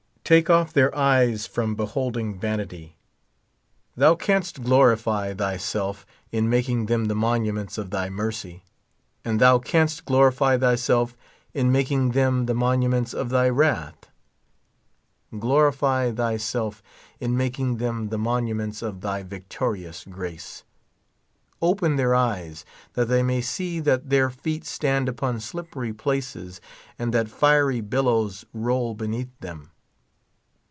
Take off their eyes from beholding vanity. Thou canst glorify 43 thyself in making them the monuments of thy mercy ; and thou canst glorif}^ tliyself in making them the monu ments of th}^ wrath. Glorifj' thyself in making them the monuments of thy victorious grace. Open their eyes that they may see that their feet stand, upon slipper}^ places, and that fiery billows roll beneatli them.